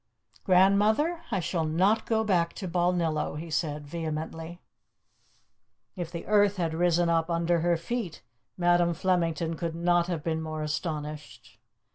"Grandmother, I shall not go back to Balnillo," said he vehemently. If the earth had risen up under her feet Madam Flemington could not have been more astonished.